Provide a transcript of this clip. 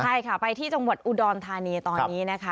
ใช่ค่ะไปที่จังหวัดอุดรธานีตอนนี้นะคะ